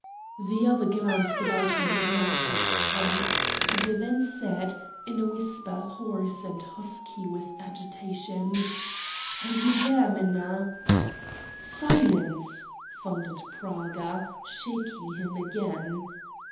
The other glanced about him in abject fright, and then said, in a whisper hoarse and husky with agitation: "Are you there, Minna?" "Silence!" thundered Praga, shaking him again.